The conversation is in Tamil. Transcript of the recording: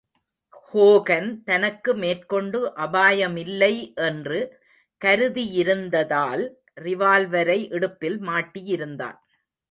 ஹோகன் தனக்கு மேற்கொண்டு அபாய மில்லை என்று கருதியிருந்ததால் ரிவால்வரை இடுப்பில் மாட்டியிருந்தான்.